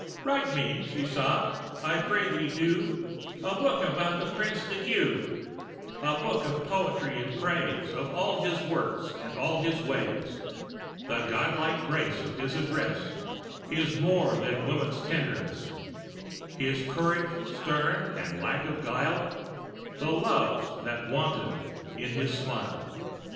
"Write me," she sobbed "I pray thee do A book about the Prince di Giu A book of poetry in praise Of all his works and all his ways; The godlike grace of his address, His more than woman's tenderness, His courage stern and lack of guile, The loves that wantoned in his smile.